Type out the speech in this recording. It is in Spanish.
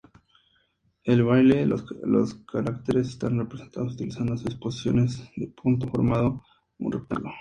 En Braille los caracteres están representados utilizando seis posiciones de punto, formando un rectángulo.